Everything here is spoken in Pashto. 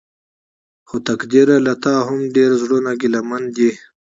خو تقديره له تا هم ډېر زړونه ګيلمن دي.